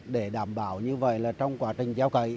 để đảm bảo như vậy là trong quá trình gieo cấy